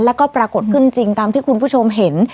แล้วก็ปรากฏขึ้นจริงตามที่คุณผู้ชมเห็น